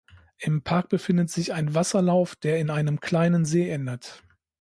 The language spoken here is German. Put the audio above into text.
Im Park befindet sich ein Wasserlauf, der in einem kleinen See endet.